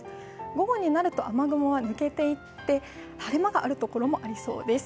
午後になると雨雲は抜けていって晴れ間があるところもあります。